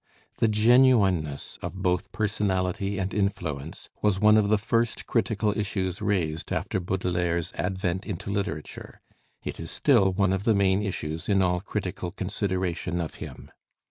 The genuineness of both personality and influence was one of the first critical issues raised after Baudelaire's advent into literature; it is still one of the main issues in all critical consideration of him.